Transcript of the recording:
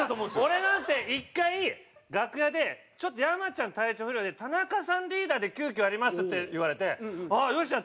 俺なんて１回楽屋で「ちょっと山ちゃん体調不良で田中さんリーダーで急きょやります」って言われてああよっしゃ！